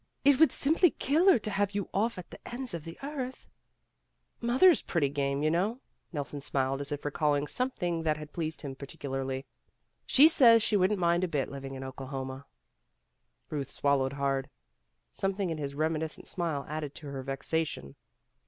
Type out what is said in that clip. "It would simply kill her to have you off at the ends of the earth/* 1 1 Mother 's pretty game, you know. '' Nelson smiled as if recalling something that had pleased him particularly. "She says she wouldn't mind a bit living in Oklahoma." Euth swallowed hard. Something in his reminiscent smile added to her vexation.